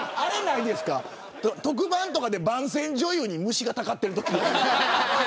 特番とかで番宣女優に虫がたかってるときありませんか。